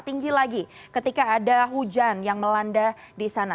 tinggi lagi ketika ada hujan yang melanda di sana